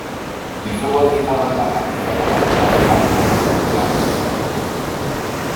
Y fue bautizada en la Capilla Palatina Real Palacio Real de Caserta.